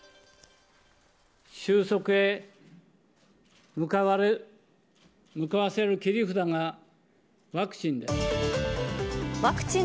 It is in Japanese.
収束へ向かわせる切り札がワクチン。